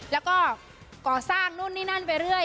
แล้วก็ก่อสร้างนู่นนี่นั่นไปเรื่อย